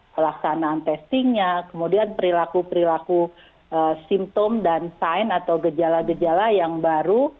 pelaksanaan testingnya kemudian perilaku perilaku simptom dan sign atau gejala gejala yang baru